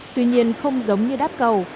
tuy nhiên không giống như đáp cầu